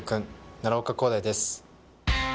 奈良岡功大です。